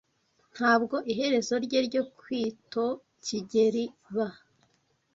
Ntabwo iherezo rye ryo kwitokigeliba.